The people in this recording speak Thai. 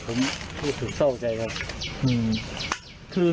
รู้สึกโชคใจครับ